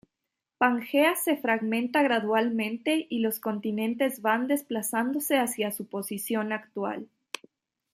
Pangea se fragmenta gradualmente y los continentes van desplazándose hacia su posición actual.